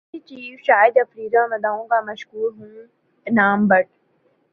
army چیفشاہد Afridi اور مداحوں کا مشکور ہوں انعام بٹ